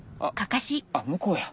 あっ向こうや。